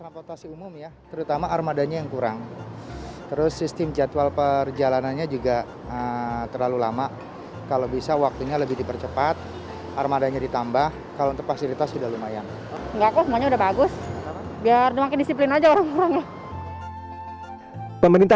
pembangunan transportasi jakarta